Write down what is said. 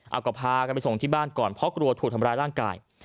เอาก็พากันไปส่งที่บ้านก่อนเพราะกลัวถูกทำร้ายร่างกาย